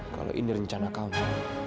kalau ini rencana kau